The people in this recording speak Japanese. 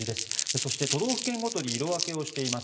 そして、都道府県ごとに色分けしています。